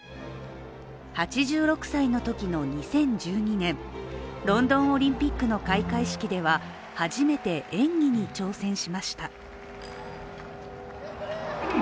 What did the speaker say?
８６歳のときの２０１２年、ロンドンオリンピックの開会式では初めて演技に挑戦しました。